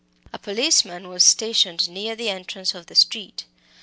A policeman was stationed near the entrance of the street.